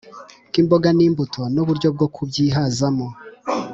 k’imboga n’imbuto n’uburyo bwo kubyihazamo